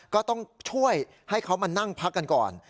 ก็ต้องช่วยให้เขามานั่งพักกันก่อน